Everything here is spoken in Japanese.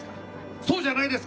そうじゃないですか？